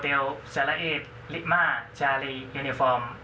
โอเตียลเจริญริม่าจารียูนิฟอร์ม